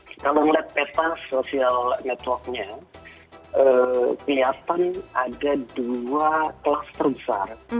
kalau melihat peta social networknya kelihatan ada dua kelas terbesar